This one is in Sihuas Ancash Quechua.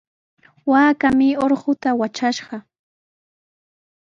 Waakaami urquta watraskishqa.